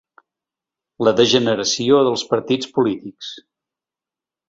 La degeneració dels partits polítics.